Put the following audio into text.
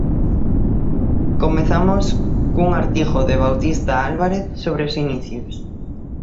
Comezamos cun artigo de Bautista Álvarez sobre os inicios.